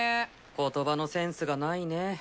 言葉のセンスがないね。